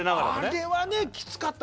あれはねきつかった。